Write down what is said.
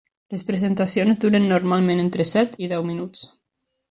Les presentacions duren normalment entre set i deu minuts.